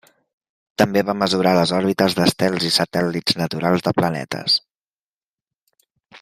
També va mesurar les òrbites d'estels i satèl·lits naturals de planetes.